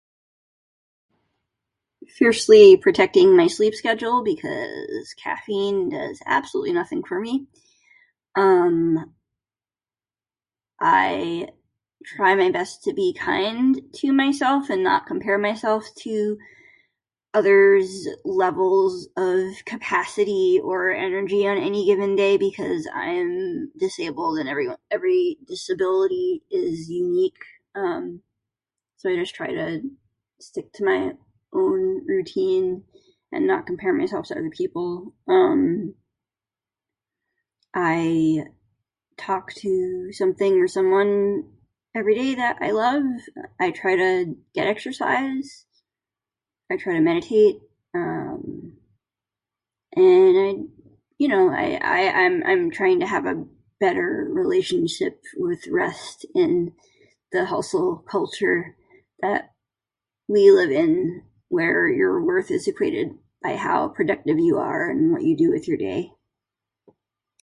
Fiercely protecting my sleep schedule, because caffeine does absolutely nothing for me. Um, I try my best to be kind to myself and not compare myself to others' levels of capacity or energy on any given day, because I'm disabled and everyone every disability is unique. Um, so I just try to stick to my own routine and not compare myself to other people. Um, I talk to something or someone everyday that I love, I try to get exercise, I try to meditate, um, and I, you know, I I I'm I'm trying to have a better relationship with rest and the hustle culture that we live in where your worth is equated by how productive you are and what you do with your day.